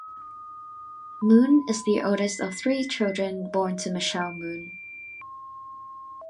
Moon is the oldest of three children born to Michelle Moon.